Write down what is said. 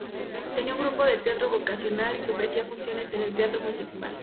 Tenían un grupo de teatro vocacional que ofrecía funciones en el Teatro Municipal.